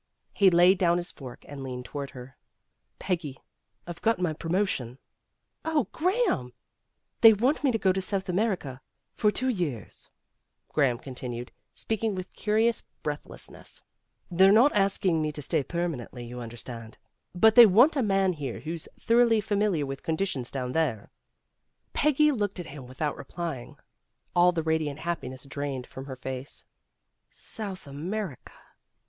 He laid down his fork and leaned toward her. " Peggy, I've got my promotion." " Oh, Graham!" ''They want me to go to South America for PEGGY LOOKED AT HIM WITHOUT REPLYING PEGGY COMES TO A DECISION 247 two years," Graham continued, speaking with curious breathlessness. "They're not asking me to stay permanently, you understand. But they want a man here who's thoroughly familiar with conditions down there." Pegggy looked at him without replying, all the radiant happiness drained from her face. South America!